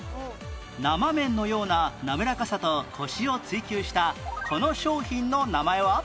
生麺のようななめらかさとコシを追求したこの商品の名前は？